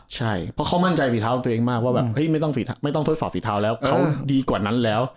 ใช่เพราะเขามั่นใจฝีเท้าตัวเองมากว่าแบบไม่ต้องทดสอบฝีเท้าแล้วเขาดีกว่านั้นแล้ว